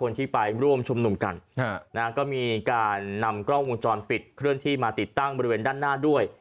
คนที่ไปร่วมชุมนุมกันก็มีการนำกล้องวงจรปิดเคลื่อนที่มาติดตั้งบริเวณด้านหน้าด้วย